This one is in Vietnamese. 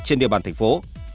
trên địa bàn thành phố